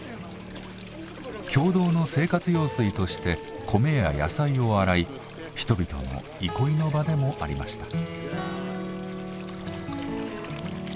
共同の生活用水として米や野菜を洗い人々の憩いの場でもありました。